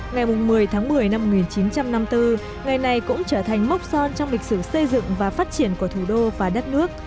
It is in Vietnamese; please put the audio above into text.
ngày một mươi tháng một mươi năm một nghìn chín trăm năm mươi bốn ngày này cũng trở thành mốc son trong lịch sử xây dựng và phát triển của thủ đô và đất nước